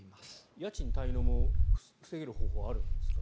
家賃滞納も防ぐ方法はあるんですか？